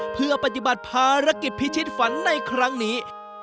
เพื่อปฏิบัติภารกิจพิชิตฝันในครั้งนี้